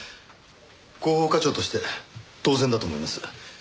広報課長として当然だと思います。